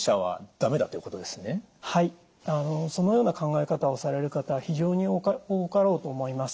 そのような考え方をされる方は非常に多かろうと思います。